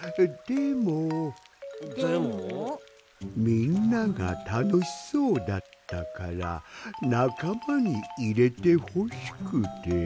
みんながたのしそうだったからなかまにいれてほしくて。